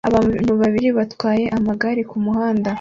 Abantu babiri batwara amagare kumuhanda